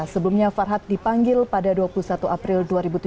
sebelumnya farhad dipanggil pada dua puluh satu april dua ribu tujuh belas